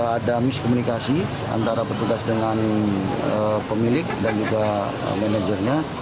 ada miskomunikasi antara petugas dengan pemilik dan juga manajernya